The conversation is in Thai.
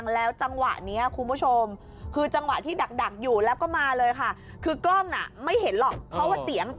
แล้วหลังจากนั้นเนี่ย